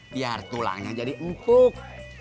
biar tulangnya jadi empuk